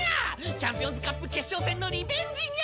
チャンピオンズカップ決勝戦のリベンジニャ！